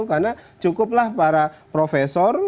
karena cukuplah para profesor